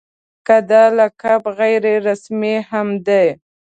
که دا لقب غیر رسمي هم دی.